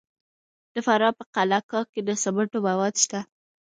د فراه په قلعه کاه کې د سمنټو مواد شته.